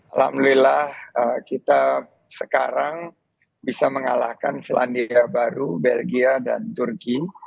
alhamdulillah kita sekarang bisa mengalahkan selandia baru belgia dan turki